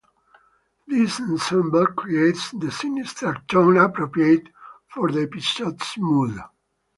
This ensemble creates the sinister tone appropriate for the episode's mood.